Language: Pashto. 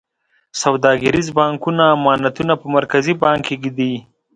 سوداګریز بانکونه امانتونه په مرکزي بانک کې ږدي.